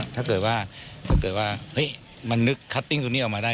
ถ้าเกิดว่ามันนึกคัตติ้งตรงนี้ออกมาได้